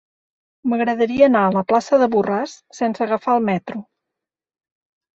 M'agradaria anar a la plaça de Borràs sense agafar el metro.